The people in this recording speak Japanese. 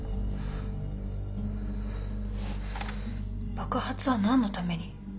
爆発は何のために？